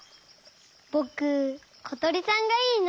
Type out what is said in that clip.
ぼくことりさんがいいな。